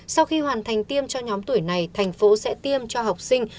sau khi hoàn thành tiêm cho nhóm tuổi này thành phố sẽ tiêm cho học sinh